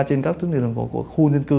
trên các khu nhân cư